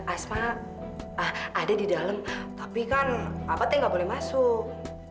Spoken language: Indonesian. asma ada di dalam tapi kan apa teh nggak boleh masuk